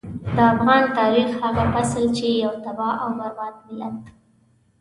د افغان تاريخ هغه فصل چې يو تباه او برباد ملت.